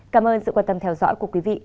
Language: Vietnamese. cảm ơn sự quan tâm theo dõi của quý vị